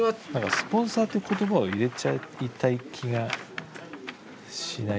「スポンサー」って言葉を入れちゃいたい気がしない？